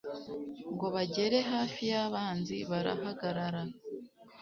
ngo bagere hafi y'abanzi, barahagarara